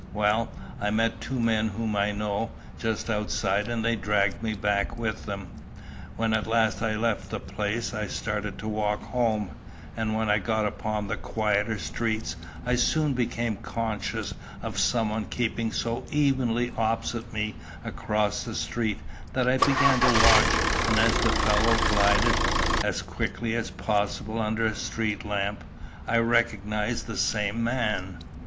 Well, I met two men whom I know, just outside, and they dragged me back with them. When at last I left the place, I started to walk home, and when I got upon the quieter streets I soon became conscious of some one keeping so evenly opposite me across the street, that I began to watch, and as the fellow glided, as quickly as possible under a street lamp, I recognised the same man."